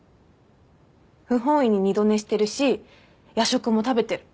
不本意に二度寝してるし夜食も食べてる。